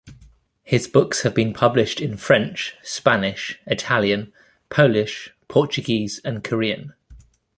His books have been published in French, Spanish, Italian, Polish, Portuguese and Korean.